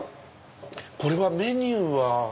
これはメニューは？